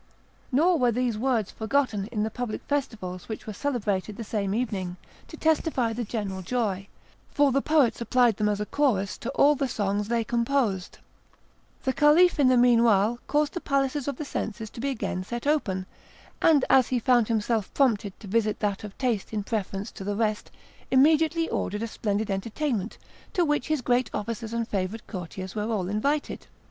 Nor were these words forgotten in the public festivals which were celebrated the same evening, to testify the general joy; for the poets applied them as a chorus to all the songs they composed. The Caliph in the meanwhile caused the palaces of the senses to be again set open; and, as he found himself prompted to visit that of taste in preference to the rest, immediately ordered a splendid entertainment, to which his great officers and favourite courtiers were all invited.